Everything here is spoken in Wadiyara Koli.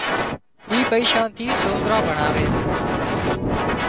اي پئيشان ٿي سوڪران ڀڻاوي سي